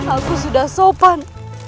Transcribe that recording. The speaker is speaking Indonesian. aku sudah sopan